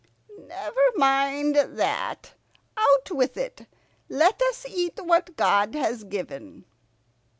"Never mind that. Out with it. Let us eat what God has given."